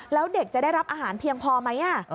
แล้วเด็กจะได้รับอาหารเพียงพอไหม